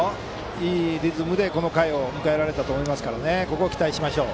いいリズムでこの回を迎えられたのでここは期待しましょう。